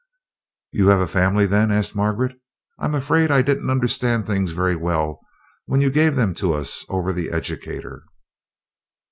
"You have a family, then?" asked Margaret, "I'm afraid I didn't understand things very well when you gave them to us over the educator."